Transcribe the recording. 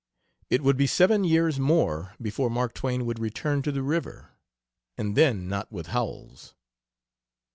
It would be seven years more before Mark Twain would return to the river, and then not with Howells.